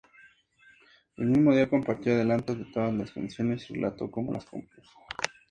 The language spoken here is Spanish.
El mismo día compartió adelantos de todas las canciones y relató cómo las compuso.